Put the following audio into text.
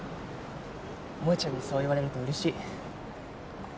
萌ちゃんにそう言われるとうれしい。